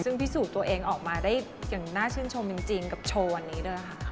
ซึ่งพิสูจน์ตัวเองออกมาได้อย่างน่าชื่นชมจริงกับโชว์วันนี้ด้วยค่ะ